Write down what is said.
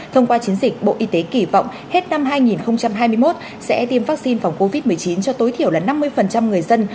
thông qua chiến dịch bộ y tế kỳ vọng hết năm hai nghìn hai mươi một sẽ tiêm vaccine phòng covid một mươi chín cho tối thiểu là năm mươi người dân